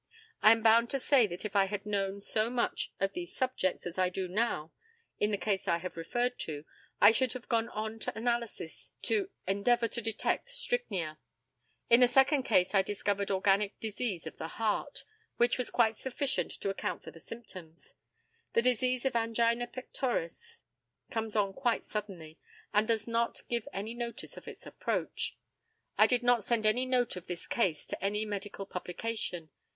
I am bound to say that if I had known so much of these subjects as I do now in the case I have referred to I should have gone on to analysis to endeavour to detect strychnia. In the second case I discovered organic disease of the heart, which was quite sufficient to account for the symptoms. The disease of angina pectoris comes on quite suddenly, and does not give any notice of its approach. I did not send any note of this case to any medical publication.